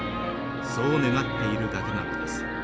そう願っているだけなのです。